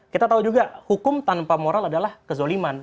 kita tahu juga hukum tanpa moral adalah kezoliman